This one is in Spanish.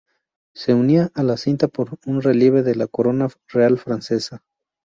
Se unía a la cinta por un relieve de la corona real francesa.